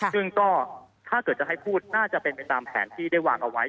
ซึ่งก็ถ้าเกิดจะให้พูดน่าจะเป็นไปตามแผนที่ได้วางเอาไว้